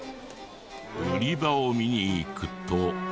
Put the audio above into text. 売り場を見に行くと。